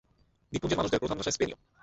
দ্বীপপুঞ্জের মানুষদের প্রধান ভাষা স্পেনীয়।